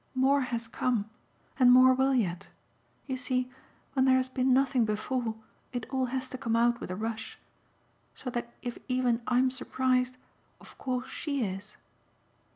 More HAS come and more will yet. You see, when there has been nothing before, it all has to come with a rush. So that if even I'm surprised of course she is."